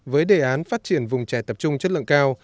với đề án phát triển vùng chè tập trung chất lượng cao